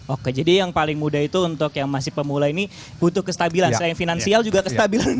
oke jadi yang paling mudah itu untuk yang masih pemula ini butuh kestabilan selain finansial juga kestabilan